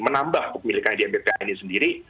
menambah kepemilikan di mppa ini sendiri